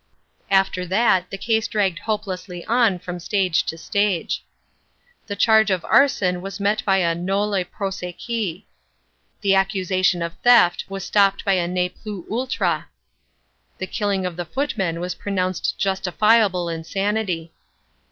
After that the case dragged hopeless on from stage to stage. The charge of arson was met by a nolle prosequi. The accusation of theft was stopped by a ne plus ultra. The killing of the footman was pronounced justifiable insanity.